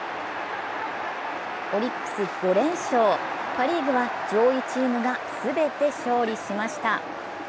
オリックス５連勝、パ・リーグは上位チームが全て勝利しました。